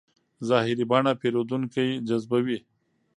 ظاهري بڼه پیرودونکی جذبوي.